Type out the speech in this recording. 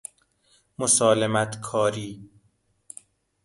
مسالمت کاری